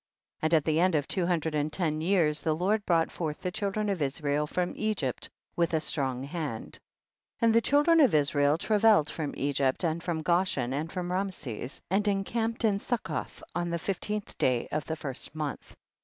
4. And at the end of two hundred and ten years, the Lord brought forth the children of Israel from Egypt with a strong hand. 5. And the children of Israel tra velled from Egypt and from Goshen and from Raamses, and encamped in Succoth on the fifteenth day of the first month.